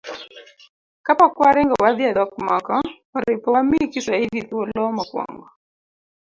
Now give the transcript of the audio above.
Ka pok waringo wadhi e dhok moko, oripo wamii Kiswahili thuolo mokwongo.